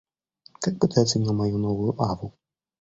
Как бы ты оценил мою новую аву?